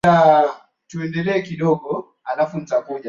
Dhana za kusimamia hifadhi ya mazingira